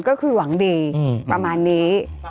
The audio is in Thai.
ก็คือหวังดีประมาณนี้